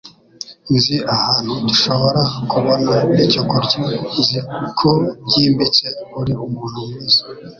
Nzi ahantu dushobora kubona icyo kurya. Nzi ko byimbitse uri umuntu mwiza.